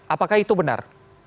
apakah itu benar